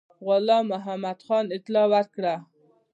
غلام محمدخان اطلاع ورکړه.